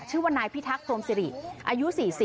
ชื่อว่านายพิทักษมสิริอายุ๔๐